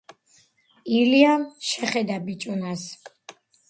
ილიამ შეხედა ბიჭუნას,